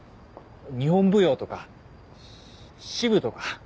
日本舞踊とか詩舞とか。